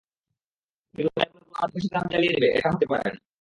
কিন্তু তাই বলে পুরো আদিবাসী গ্রাম জ্বালিয়ে দেবে, এটা হতে পারে না।